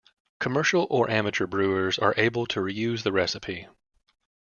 Commercial or amateur brewers are able to reuse the recipe.